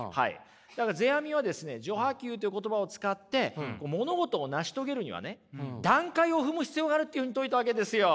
だから世阿弥はですね序破急という言葉を使って物事を成し遂げるにはね段階を踏む必要があるっていうふうに説いたわけですよ。